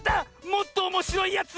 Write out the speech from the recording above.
もっとおもしろいやつ！